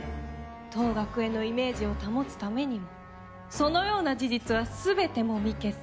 当学園のイメージを保つためにもそのような事実は全てもみ消す。